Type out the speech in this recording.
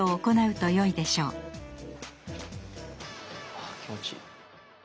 あ気持ちいい。